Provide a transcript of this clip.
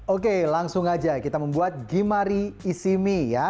oke langsung aja kita membuat gimari isimi ya